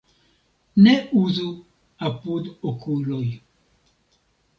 Ne uzu apud okuloj.